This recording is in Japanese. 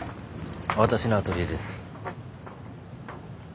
私のアトリエです。